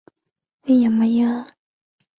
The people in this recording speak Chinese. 曾获颁中华民国二等景星勋章。